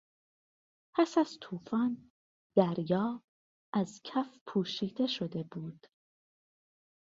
پس از توفان دریا از کف پوشیده شده بود.